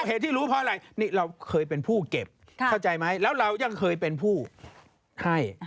เหตุที่รู้เพราะอะไรนี่เราเคยเป็นผู้เก็บเข้าใจไหมแล้วเรายังเคยเป็นผู้ให้